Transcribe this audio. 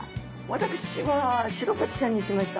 私はシログチちゃんにしました。